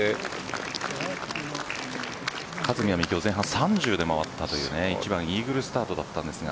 勝みなみは今日前半で３０で回ったという１番イーグルスタートでした。